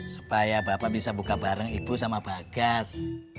supaya bapak bisa buka bareng ibu sama bagas